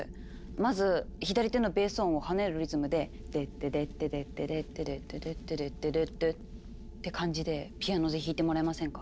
まず左手のベース音を跳ねるリズムで「デッデデッデデッデデッデデッデデッデデッデデッデ」って感じでピアノで弾いてもらえませんか？